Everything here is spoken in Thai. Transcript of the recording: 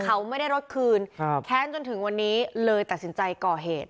เขาไม่ได้รถคืนครับแค้นจนถึงวันนี้เลยตัดสินใจก่อเหตุ